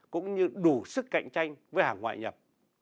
cũng như đủ sức cạnh tranh với hàng ngoại nhập